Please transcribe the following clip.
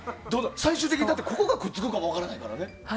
最終的に、ここがくっつくかも分からへんからね。